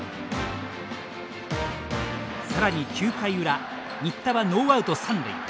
さらに９回裏新田はノーアウト、三塁。